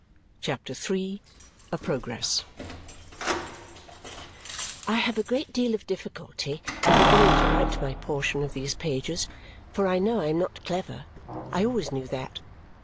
CHAPTER III A Progress I have a great deal of difficulty in beginning to write my portion of these pages, for I know I am not clever. I always knew that.